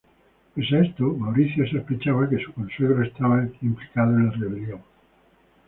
Pese a esto, Mauricio sospechaba que su consuegro estaba implicado en la rebelión.